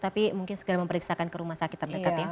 tapi mungkin segera memeriksakan ke rumah sakit terdekat ya